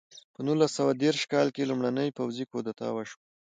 په نولس سوه دېرش کال کې لومړنۍ پوځي کودتا وشوه.